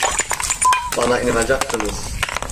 Bana inanacaktınız?